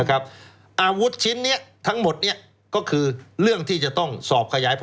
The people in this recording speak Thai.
อาวุธชิ้นนี้ทั้งหมดก็คือเรื่องที่จะต้องสอบขยายผล